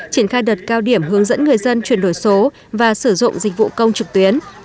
triển khai đợt cao điểm hướng dẫn người dân chuyển đổi số và sử dụng dịch vụ công trực tuyến